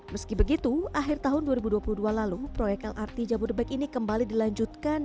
meski begitu akhir tahun dua ribu dua puluh dua lalu proyek lrt jabodebek ini kembali dilanjutkan